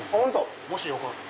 もしよかったら。